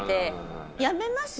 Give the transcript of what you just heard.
やめます？